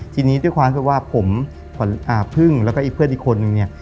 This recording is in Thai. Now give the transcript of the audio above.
ทีนี้ด้วยความที่ว่าผมพึ่งแล้วก็อีกเพื่อนอีกคนนึงเนี่ย